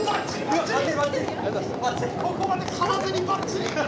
ここまでかまずにばっちり！